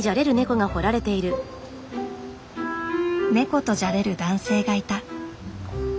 ネコとじゃれる男性がいた。